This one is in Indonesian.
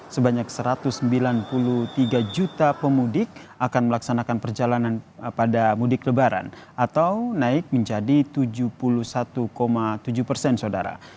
sebanyak satu ratus sembilan puluh tiga juta pemudik akan melaksanakan perjalanan pada mudik lebaran atau naik menjadi tujuh puluh satu tujuh persen saudara